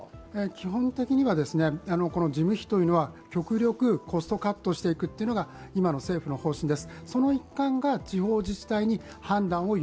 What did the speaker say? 基本的には事務費というのは極力コストカットしていくというのが今の政府の方針です。